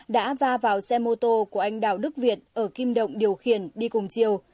đã va vào xe mô tô của anh đào đức việt ở kim động điều khiển đi cùng chiều